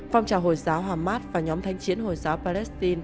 phong trào hồi giáo hamas và nhóm thanh chiến hồi giáo palestine